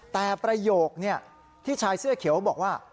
แต่ประโยคที่ชายเสื้อเขียวบอกว่า